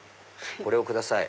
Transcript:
これをください。